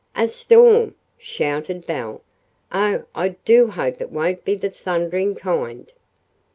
"A storm!" shouted Belle. "Oh, I do hope it won't be the thundering kind!"